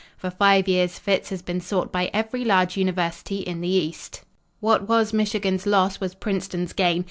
For five years Fitz' has been sought by every large university in the East. "What was Michigan's loss, was Princeton's gain.